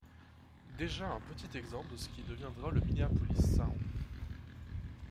Déjà un petit exemple de ce qui deviendra le Minneapolis Sound.